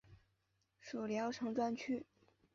属聊城专区。